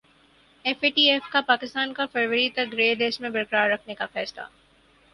F A T F کا پاکستان کو فروری تک گرے لسٹ میں برقرار رکھنے کا فیصلہ